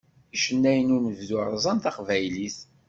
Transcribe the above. Icennayen n unebdu rẓan taqbaylit.